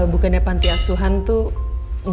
bukannya panti asuhan tuh